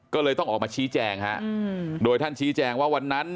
ก็เลยต้องออกมาชี้แจงฮะโดยท่านชี้แจงว่าวันนั้น